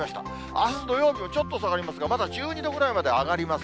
あす土曜日もちょっと下がりますが、まだ１２度ぐらいまで上がります。